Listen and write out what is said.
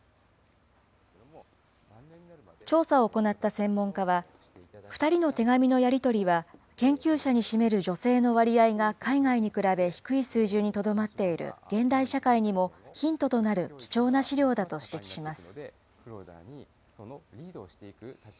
調査を行った専門家は、２人の手紙のやり取りは研究者に占める女性の割合が海外に比べ低い水準にとどまっている現代社会にもヒントとなる貴重な資料だと指摘します。